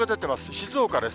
静岡です。